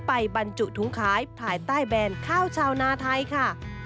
บรรจุถุงขายภายใต้แบรนด์ข้าวชาวนาไทยค่ะ